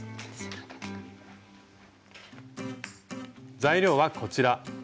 材料はこちら。